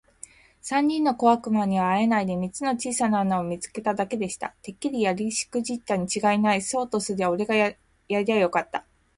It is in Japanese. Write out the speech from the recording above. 三人の小悪魔にはあえないで、三つの小さな穴を見つけただけでした。「てっきりやりしくじったにちがいない。そうとすりゃおれがやりゃよかった。」